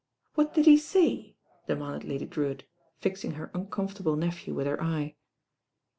"What did he lay?" demanded Udy Drewitt, fixing her uncomfortable nephew with her eye.